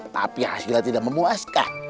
tapi hasilnya tidak memuaskan